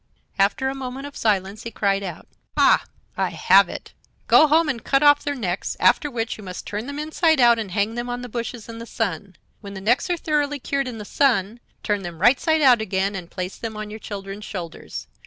After a moment of silence he cried out: 'Ha! I have it! Go home and cut off their necks, after which you must turn them inside out and hang them on the bushes in the sun. When the necks are thoroughly cured in the sun, turn them right side out again and place them on your children's shoulders.